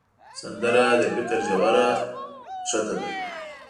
سندره د فکر ژوره ښکته ده